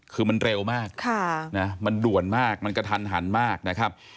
คือมันเร็วมากมันด่วนมากมันกระทันหันมากนะครับ